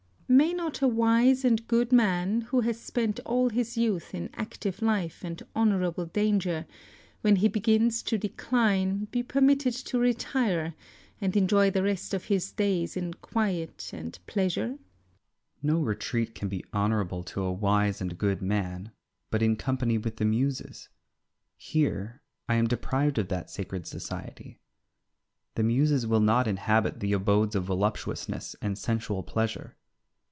Circe. May not a wise and good man, who has spent all his youth in active life and honourable danger, when he begins to decline, be permitted to retire and enjoy the rest of his days in quiet and pleasure? Ulysses. No retreat can be honourable to a wise and good man but in company with the muses. Here I am deprived of that sacred society. The muses will not inhabit the abodes of voluptuousness and sensual pleasure.